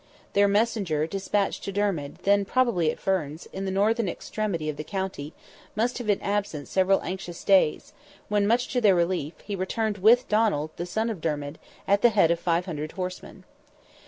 Their messenger despatched to Dermid, then probably at Ferns, in the northern extremity of the county, must have been absent several anxious days, when, much to their relief, he returned with Donald, the son of Dermid, at the head of 500 horsemen.